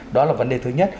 đó là vấn đề thứ nhất